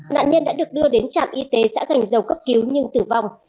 nạn nhân đã được đưa đến trạm y tế xã gành dầu cấp cứu nhưng tử vong